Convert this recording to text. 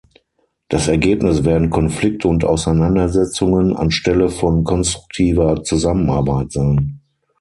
Das Ergebnis werden Konflikte und Auseinandersetzungen anstelle von konstruktiver Zusammenarbeit sein.